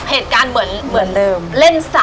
เหตุการณ์เหมือนเล่นซ้ำ